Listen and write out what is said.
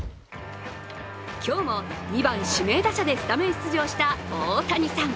今日も２番・指名打者でスタメン出場した大谷さん。